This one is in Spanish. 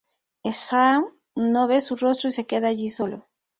Strahm no ve su rostro y se queda allí solo.